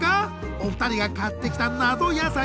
お二人が買ってきたナゾ野菜。